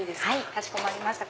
かしこまりました。